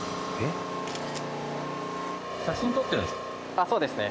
あっそうですね。